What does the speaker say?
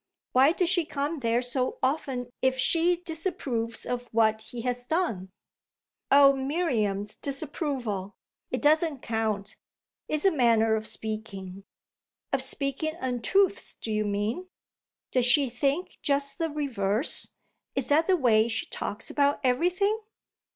Why does she come there so often if she disapproves of what he has done?" "Oh Miriam's disapproval it doesn't count; it's a manner of speaking." "Of speaking untruths, do you mean? Does she think just the reverse is that the way she talks about everything?"